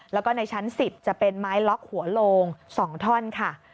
แล้วก็ในชั้น๑๐จะเป็นไม้ล็อกหัวโลง๒ท่อนค่ะ